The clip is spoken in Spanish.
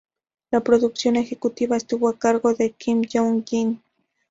La producción ejecutiva estuvo a cargo de Kim Young-jin.